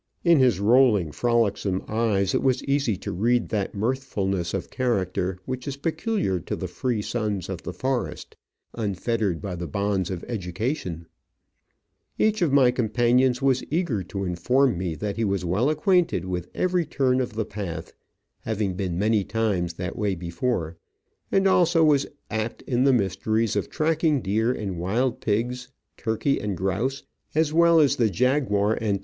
In his rolling, frolicsome eyes it was easy to read that mirthfulness of character which is peculiar to the free sons of the forest, unfettered by the bonds of education. Each of my companions was eager to inform me that he was well acquainted with every turn of the path, having been many times that way before, and also was apt in the mysteries of tracking deer and wild pigs, turkey and grouse, as well as the jaguar and Digitized by VjOOQIC Digitized by V:iOOQIC READY TO ENTER THE FOREST.